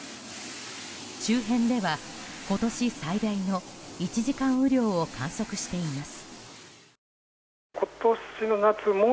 周辺では今年最大の１時間雨量を観測しています。